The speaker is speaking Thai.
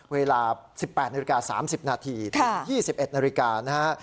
เวลา๑๘นาฬิกา๓๐นาทีถึง๒๑นาฬิกานะฮะ